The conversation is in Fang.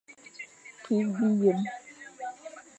Kikh biyem.